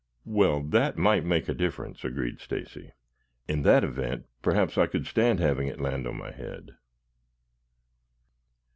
"Well, that might make a difference," agreed Stacy. "In that event perhaps I could stand having it land on my head."